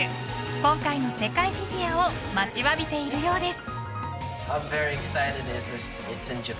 今回の世界フィギュアを待ちわびているようです。